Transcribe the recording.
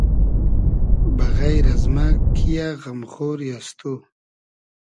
بئغݷر از مۂ کی یۂ غئم خۉری از تو